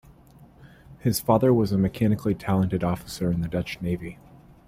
His father was a mechanically talented officer in the Dutch Navy.